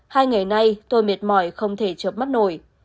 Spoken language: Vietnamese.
hai ngày nay tôi miệt mỏi không thể chợp mắt nổi